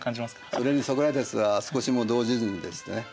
それにソクラテスは少しも動じずにですね